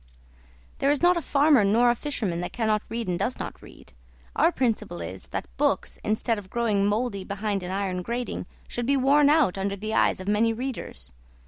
There is not a farmer nor a fisherman that cannot read and does not read. Our principle is, that books, instead of growing mouldy behind an iron grating, should be worn out under the eyes of many readers.